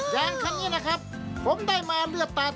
ยางคันนี้นะครับผมได้มาเลือดตาด